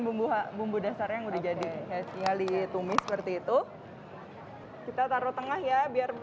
bumbu bumbu dasarnya yang udah jadi ya tinggal ditumis seperti itu kita taruh tengah ya biar